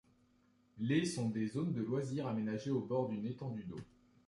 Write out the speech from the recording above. Les sont des zones de loisirs aménagées au bord d'une étendue d'eau.